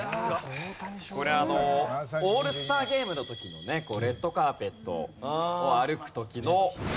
これあのオールスターゲームの時のねレッドカーペットを歩く時の写真です。